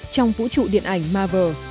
trong vũ trụ điện ảnh marvel